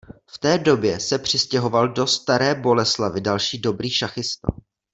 V té době se přistěhoval do Staré Boleslavi další dobrý šachista.